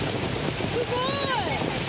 すごーい。